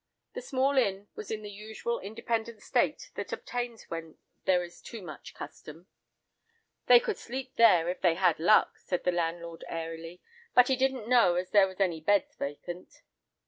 The small inn was in the usual independent state that obtains when there is too much custom. "They could sleep there, if they had luck," said the landlord airily, but "he didn't know as there was any beds vacant."